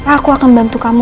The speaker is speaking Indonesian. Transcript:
aku akan bantu kamu